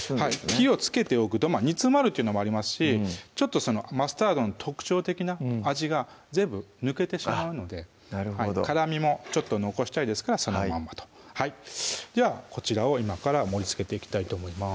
火をつけておくと煮詰まるっていうのもありますしちょっとマスタードの特徴的な味が全部抜けてしまうのであっなるほど辛みもちょっと残したいですからそのまんまとではこちらを今から盛りつけていきたいと思います